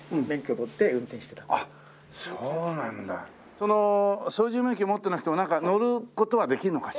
その操縦免許持ってなくてもなんか乗る事はできるのかしら？